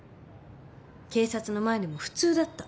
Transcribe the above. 警察の前でも普通だった。